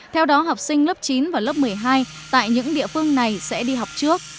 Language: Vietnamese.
theo đó học sinh lớp chín và lớp một mươi hai tại những địa phương này sẽ đi học trước